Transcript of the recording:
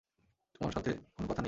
তোমার সাথে কোন কথা নেই।